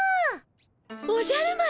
おじゃる丸！